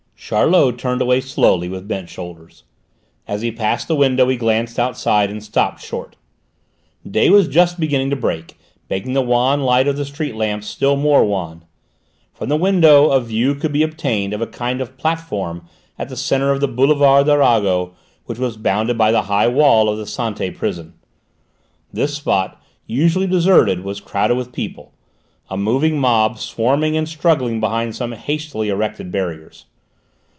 Charlot turned away slowly, with bent shoulders. As he passed the window he glanced outside and stopped short. Day was just beginning to break, making the wan light of the street lamps still more wan. From the window a view could be obtained of a kind of platform at the corner of the boulevard Arago which was bounded by the high wall of the Santé prison. This spot, usually deserted, was crowded with people; a moving mob, swarming and struggling behind some hastily erected barriers.